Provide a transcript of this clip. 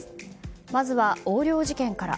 まずは横領事件から。